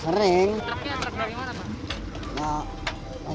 terpilih yang terpilih dimana pak